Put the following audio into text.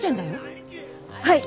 はい！